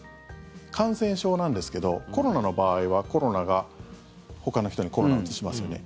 感染症なんですけどコロナの場合はコロナが、ほかの人にコロナをうつしますよね。